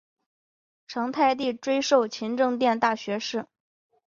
成泰帝追授勤政殿大学士。